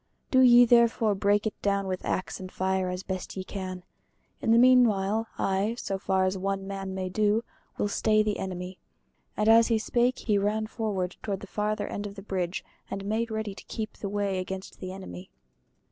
Do ye therefore break it down with axe and fire as best ye can. In the meanwhile I, so far as one man may do, will stay the enemy." And as he spake he ran forward to the farther end of the bridge and made ready to keep the way against the enemy.